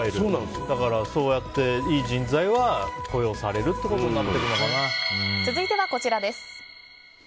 だから、そうやっていい人材は雇用されるということに続いてはこちらです。